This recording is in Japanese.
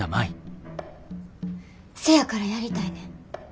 せやからやりたいねん。